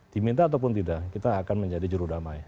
diminta ataupun tidak kita akan menjadi jurudamai